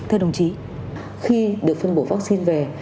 thưa đồng chí khi được phân bổ vaccine về